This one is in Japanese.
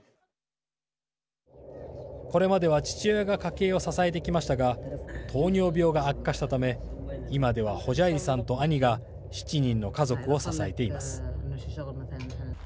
これまでは父親が家計を支えてきましたが糖尿病が悪化したため今では、ホジャイリさんと兄が７人の家族を支えています。